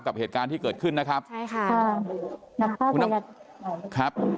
กับเหตุการณ์ที่เกิดขึ้นนะครับใช่ค่ะนะครับ